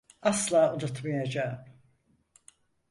Asla unutmayacağım.